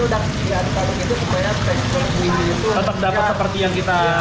dapat seperti yang kita